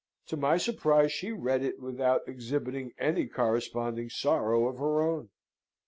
To my surprise she read it, without exhibiting any corresponding sorrow of her own.